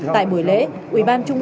tại buổi lễ ubnd